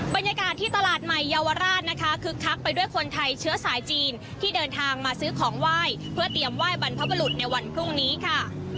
บรรยากาศที่ตลาดใหม่เยาวราชนะคะคึกคักไปด้วยคนไทยเชื้อสายจีนที่เดินทางมาซื้อของไหว้เพื่อเตรียมไหว้บรรพบรุษในวันพรุ่งนี้ค่ะ